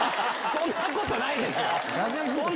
そんなことない。